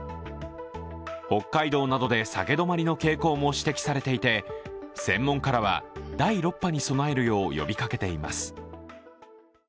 北海道などで下げ止まりの傾向も指摘されていて専門家らは第６波に備えるよう呼びかけています。